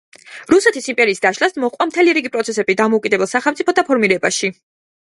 რუსეთის იმპერიის დაშლას მოჰყვა მთელი რიგი პროცესები დამოუკიდებელ სახელმწიფოთა ფორმირებაში.